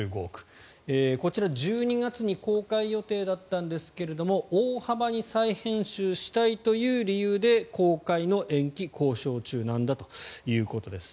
こちらは１２月に公開予定だったんですが大幅に再編集したいという理由で公開の延期を交渉中なんだということです。